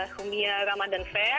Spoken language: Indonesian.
humya ramadan fair